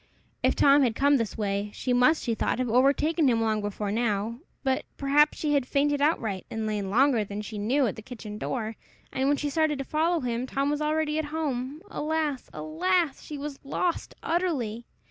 If Tom had come this way, she must, she thought, have overtaken him long before now! But, perhaps, she had fainted outright, and lain longer than she knew at the kitchen door; and when she started to follow him, Tom was already at home! Alas, alas! she was lost utterly!